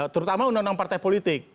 terutama undang undang partai politik